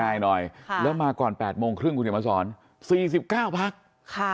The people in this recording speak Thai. ง่ายหน่อยแล้วมาก่อน๘โมงครึ่งคุณจะมาสอน๔๙พัก